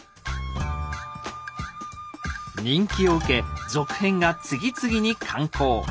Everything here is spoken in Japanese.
人気を受け続編が次々に刊行。